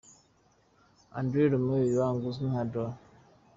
Andre Romelle Young uzwi nka Dr.